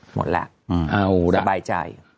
หมดแล้วสบายใจ